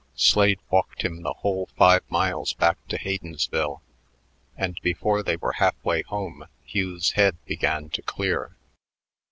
Slade walked him the whole five miles back to Haydensville, and before they were half way home Hugh's head began to clear.